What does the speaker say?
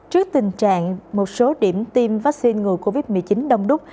trước tình trạng một số điểm tiêm vaccine ngừa covid một mươi chín đông đúc